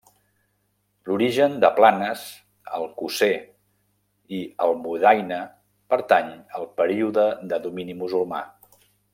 L'origen de Planes, Alcosser i Almudaina pertany al període de domini musulmà.